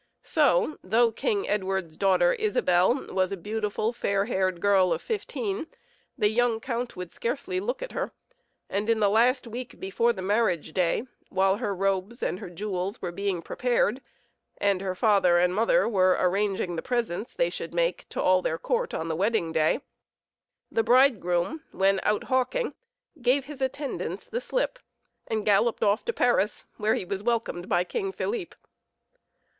So, though King Edward's daughter Isabel was a beautiful fair haired girl of fifteen, the young count would scarcely look at her; and in the last week before the marriage day, while her robes and her jewels were being prepared, and her father and mother were arranging the presents they should make to all their court on the wedding day, the bridegroom, when out hawking, gave his attendants the slip, and galloped off to Paris, where he was welcomed by King Philippe.